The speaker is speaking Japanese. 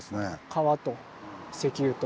川と石油と。